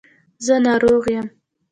زه ناروغ یم.